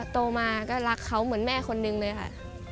โตมาก็รักเขาเหมือนแม่คนนึงเลยค่ะ